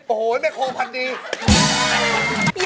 โอ้โหอิงไม็โควิคมันนี่